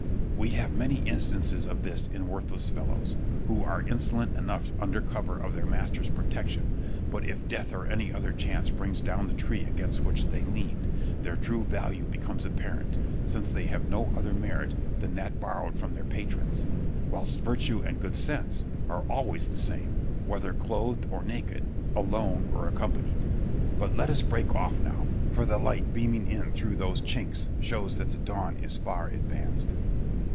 Scip. We have many instances of this in worthless fellows, who are insolent enough under cover of their masters' protection; but if death or any other chance brings down the tree against which they leaned, their true value becomes apparent, since they have no other merit than that borrowed from their patrons; whilst virtue and good sense are always the same, whether clothed or naked, alone or accompanied. But let us break off now; for the light beaming in through those chinks shows that the dawn is far advanced.